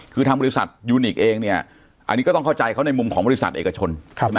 คือทางบริษัทยูนิคเองเนี่ยอันนี้ก็ต้องเข้าใจเขาในมุมของบริษัทเอกชน